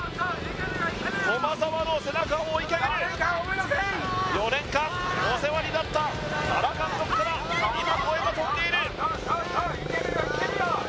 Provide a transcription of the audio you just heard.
駒澤の背中を追いかける４年間お世話になった原監督から今応援が飛んでいるいけるよいけるよ